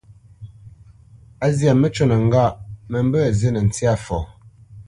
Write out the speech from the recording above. A zyâ məcûnə ŋgâʼ: mə mbə̄ zînə ntsyâ fɔ.